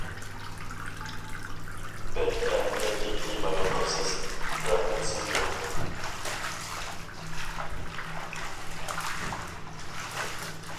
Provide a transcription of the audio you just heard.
بەك ئەھمىيەتلىك تېما يوللاپسىز، رەھمەت سىزگە!